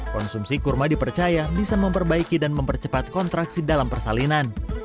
konsumsi kurma dipercaya bisa memperbaiki dan mempercepat kontraksi dalam persalinan